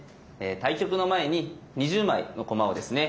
対局の前に２０枚の駒をですね